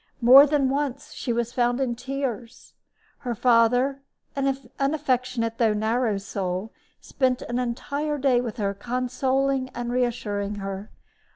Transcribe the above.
More than once she was found in tears. Her father, an affectionate though narrow soul, spent an entire day with her consoling and reassuring her.